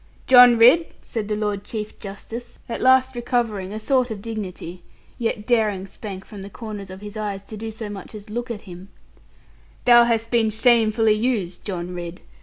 'John Ridd,' said the Lord Chief Justice, at last recovering a sort of dignity, yet daring Spank from the corners of his eyes to do so much as look at him, 'thou hast been shamefully used, John Ridd.